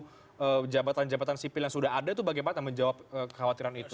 jadi untuk jabatan jabatan sipil yang sudah ada itu bagaimana menjawab kekhawatiran itu